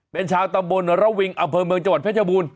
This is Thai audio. เป็นชาวตำบลระวิงอำเภอเมืองจังหวัดเพชรบูรณ